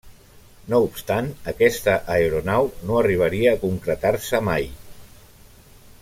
No obstant aquesta aeronau no arribaria a concretar-se mai.